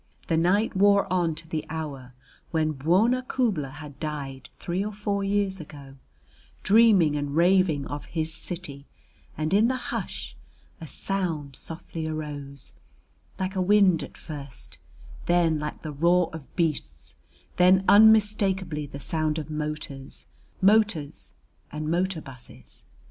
The night wore on to the hour when Bwona Khubla had died three or four years ago, dreaming and raving of "his city"; and in the hush a sound softly arose, like a wind at first, then like the roar of beasts, then unmistakably the sound of motors motors and motor busses.